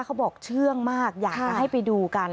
บอกเชื่องมากอยากจะให้ไปดูกัน